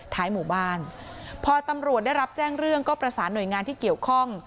หมู่บ้านพอตำรวจได้รับแจ้งเรื่องก็ประสานหน่วยงานที่เกี่ยวข้อง